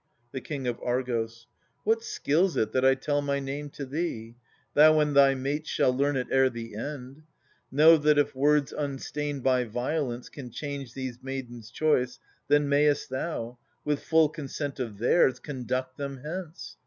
The King of Argos. What skills it that I tell my name to thee ? Thou and thy mates shall learn it ere the end. Know that if words unstained by violence Can change these maidens' choice, then mayest thou. With full consent of theirs, conduct them hence.